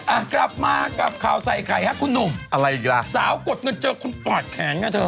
อ่ะกลับมากับข่าวใส่ใครฮะคุณหนุ่มสาวกดเงินเจอคนปากแขนกับเธอ